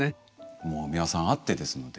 もう美輪さんあってですので。